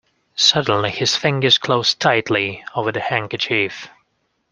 Suddenly his fingers closed tightly over the handkerchief.